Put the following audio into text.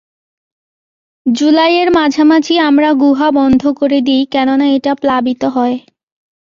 জুলাইয়ের মাঝামাঝি আমরা গুহা বন্ধ করে দিই কেননা এটা প্লাবিত হয়।